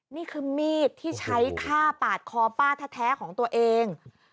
นี่คือมีดที่ใช้ฆ่าปาดคอป้าแท้ของตัวเอง